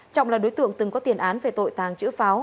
trọng là đối tượng từng có tiền án về tội tàng trữ pháo